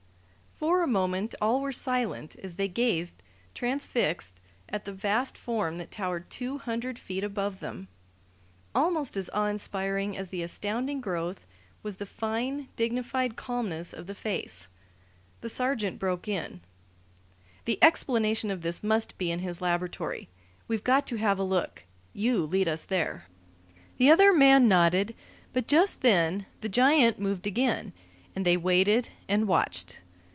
For a moment all were silent as they gazed, transfixed, at the vast form that towered two hundred feet above them. Almost as awe inspiring as the astounding growth was the fine, dignified calmness of the face. The sergeant broke in: "The explanation of this must be in his laboratory. We've got to have a look. You lead us there." The other man nodded; but just then the giant moved again, and they waited and watched.